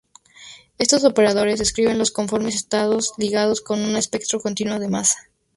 Estos operadores describen los conformes estados ligados con un espectro continuo de masa.